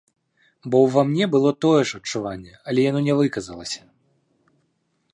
Бо ўва мне было тое ж адчуванне, але яно не выказалася.